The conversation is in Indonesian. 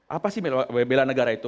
apa sih bela negara itu